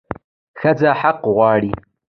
ښځه حق غواړي